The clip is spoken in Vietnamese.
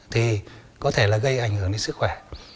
thì có thể là gây ảnh hưởng đến sức khỏe